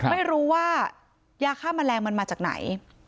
ไม่รู้ว่ายาฆ่าแมลงมันมาจากไหน